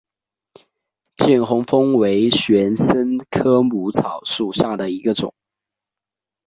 见风红为玄参科母草属下的一个种。